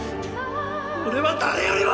俺は誰よりも！